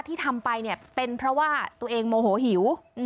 ที่ทำไปเนี่ยเป็นเพราะว่าตัวเองโมโหหิว